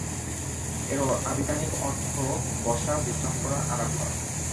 এর আভিধানিক অর্থ বসা, বিশ্রাম করা, আরাম করা।